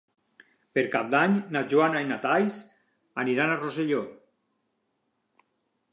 Per Cap d'Any na Joana i na Thaís aniran a Rosselló.